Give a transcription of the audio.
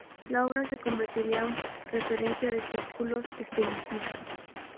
La obra se convertiría en referencia de círculos espiritistas.